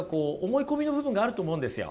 思い込みの部分があると思うんですよ。